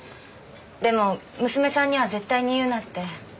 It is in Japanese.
でも娘さんには絶対に言うなって。